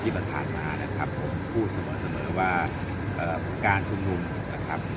ว่าเอ่อปุกการชุมนุมนะครับ